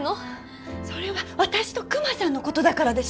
それは私とクマさんのことだからでしょ？